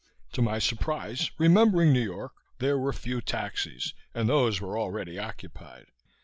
To my surprise, remembering New York, there were few taxis and those were already occupied.